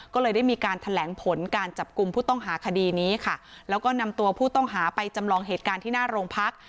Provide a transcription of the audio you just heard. ก็เลยได้มีการแถลงผลการจับกลุ่มผู้ต้องหาคดีนี้ค่ะแล้วก็นำตัวผู้ต้องหาไปจำลองเหตุการณ์ที่หน้าโรงพัก